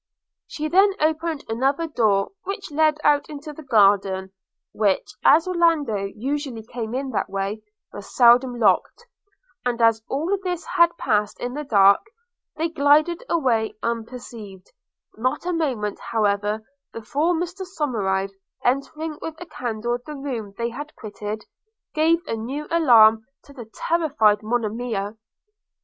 She then opened another door which led out into the garden, which, as Orlando usually came in that way, was seldom locked; and as all this had passed in the dark, they glided away unperceived – not a moment however before Mr Somerive, entering with a candle the room they had quitted, gave a new alarm to the terrified Monimia.